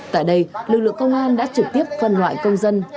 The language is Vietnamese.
tại đây lực lượng công an đã trực tiếp phân loại công dân